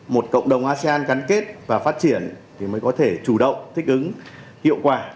một cộng đồng asean gắn kết và phát triển thì mới có thể chủ động thích ứng hiệu quả